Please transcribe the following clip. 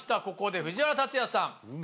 ここで藤原竜也さん。